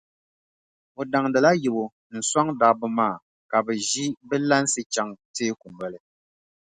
O daŋdila yibu n-sɔŋ dabba maa ka bɛ ʒi bɛ lansi chaŋ teeku noli.